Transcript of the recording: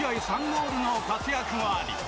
３ゴールの活躍もあり